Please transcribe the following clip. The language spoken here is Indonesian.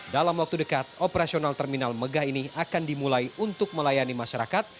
dalam waktu dekat operasional terminal megah ini akan dimulai untuk melayani masyarakat